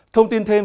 thông tin thêm